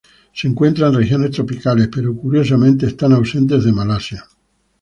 Se encuentran en regiones tropicales, pero curiosamente están ausentes de Malasia.